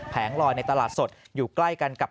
ลอยในตลาดสดอยู่ใกล้กันกับ